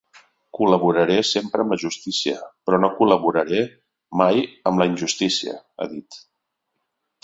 Col·laboraré sempre amb la justícia, però no col·laboraré mai amb la injustícia, ha dit.